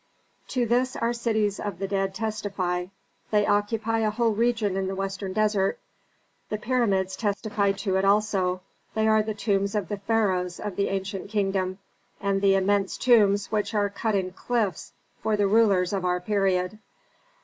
"To this our cities of the dead testify; they occupy a whole region in the western desert. The pyramids testify to it also; they are the tombs of the pharaohs of the ancient kingdom, and the immense tombs which are cut in cliffs for the rulers of our period.